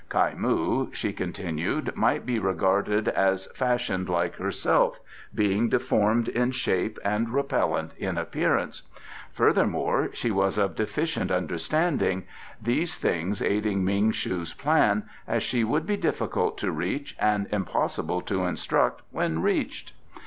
Kai moo, she continued, might be regarded as fashioned like herself, being deformed in shape and repellent in appearance. Furthermore, she was of deficient understanding, these things aiding Ming shu's plan, as she would be difficult to reach and impossible to instruct when reached.